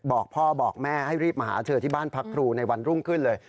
บอกพ่อบอกแม่ให้รีบมาหาเธอที่บ้านพักครูในวันรุ่งขึ้นเลย